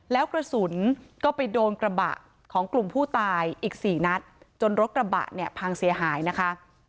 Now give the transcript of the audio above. แล้วกระสุนก็ไปโดนกระบะของกลุ่มผู้ตายอีกสี่นัดจนรถกระบะเนี่ยพังเสียหายนะคะ